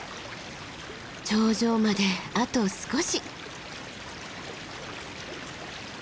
頂上まであと少し。